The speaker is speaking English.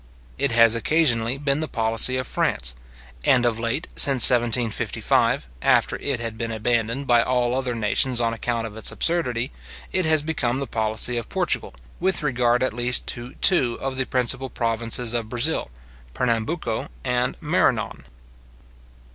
It has occasionally been the policy of France; and of late, since 1755, after it had been abandoned by all other nations on account of its absurdity, it has become the policy of Portugal, with regard at least to two of the principal provinces of Brazil, Pernambucco, and Marannon.